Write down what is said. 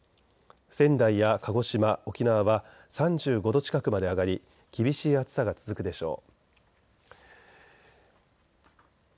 仙台や鹿児島、沖縄は３５度近くまで上がり厳しい暑さが続くでしょう。